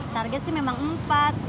target sih memang empat